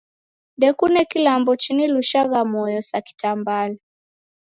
Ndokune kilambo chinilushagha moyo sa kitambala.